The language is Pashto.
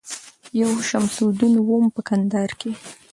یو شمس الدین وم په کندهار کي